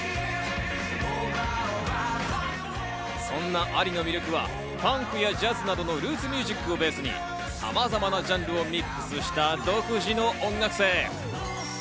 そんなＡＬＩの魅力は、ファンクやジャズなどのルーツミュージックをベースにさまざまなジャンルをミックスした独自の音楽性。